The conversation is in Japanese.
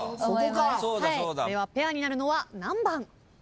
ではペアになるのは何番？